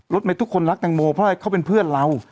รถไหมทุกคนรักตังโมเพราะว่าเขาเป็นเพื่อนเรา